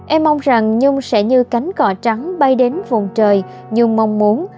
em mong rằng nhung sẽ như cánh cỏ trắng bay đến vùng trời như mong muốn